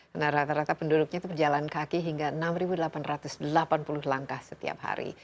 karena rata rata penduduknya itu berjalan kaki hingga enam delapan ratus delapan puluh langkah setiap hari